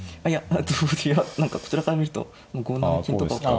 あいや何かこちらから見ると５七金とか。